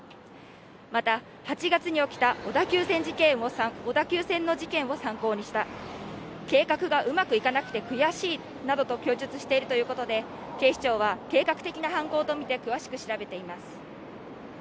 また８月に起きた小田急線の事件を参考にした計画がうまくいかなくて悔しいなどと供述しているということで警視庁は計画的な犯行と見て詳しく調べています